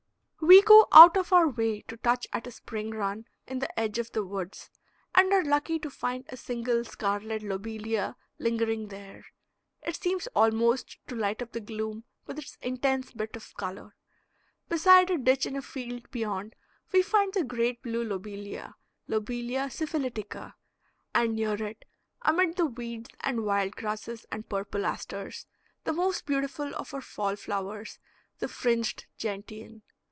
We go out of our way to touch at a spring run in the edge of the woods, and are lucky to find a single scarlet lobelia lingering there. It seems almost to light up the gloom with its intense bit of color. Beside a ditch in a field beyond we find the great blue lobelia (Lobelia syphilitica), and near it amid the weeds and wild grasses and purple asters the most beautiful of our fall flowers, the fringed gentian.